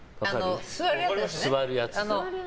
座るやつね。